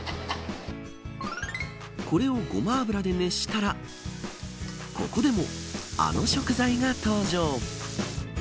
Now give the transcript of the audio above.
これをごま油で熱したらここでも、あの食材が登場。